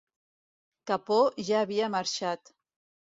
Capó ja havia marxat.